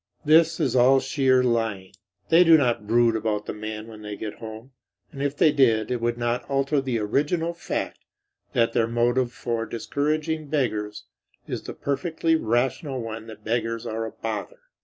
This is all sheer lying. They do not brood about the man when they get home, and if they did it would not alter the original fact that their motive for discouraging beggars is the perfectly rational one that beggars are a bother.